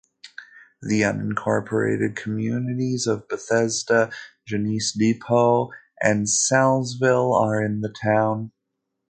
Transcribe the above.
The unincorporated communities of Bethseda, Genesee Depot, and Saylesville are in the town.